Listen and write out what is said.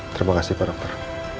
terima kasih pak dokter